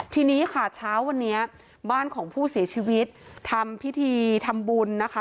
ทีนี้ค่ะเช้าวันนี้บ้านของผู้เสียชีวิตทำพิธีทำบุญนะคะ